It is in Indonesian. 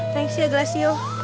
thanks ya glassio